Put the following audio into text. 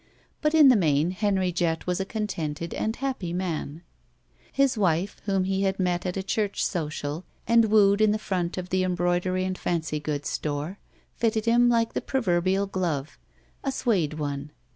But in the main Henry Jett was a contented and happy man. His wife, whom he had met at a church social and wooed in the front of the embroidery and fancy goods store, fitted him like the proverbial glove — sl su6de one.